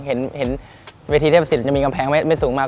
เห็นเวทีเทพศิษย์ยังมีกำแพงไม่สูงมาก